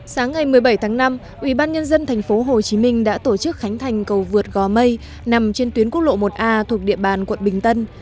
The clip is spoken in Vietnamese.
sáng ngày một mươi bảy tháng năm ubnd tp hcm đã tổ chức khánh thành cầu vượt gò mây nằm trên tuyến quốc lộ một a thuộc địa bàn quận bình tân